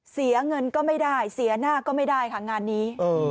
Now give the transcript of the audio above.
เสียเงินก็ไม่ได้เสียหน้าก็ไม่ได้ค่ะงานนี้